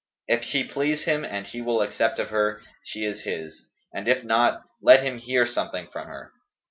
If she please him and he will accept of her, she is his: and if not, let him hear something from her."